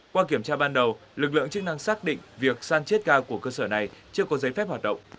qua kiểm tra ban đầu lực lượng chức năng xác định việc san chết ga của cơ sở này chưa có giấy phép hoạt động